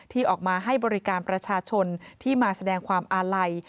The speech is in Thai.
ที่ออกมาให้บริการประชาชนที่มาแสดงความอาลัย